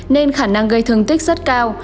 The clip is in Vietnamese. nên khả năng gây thương tích rất cao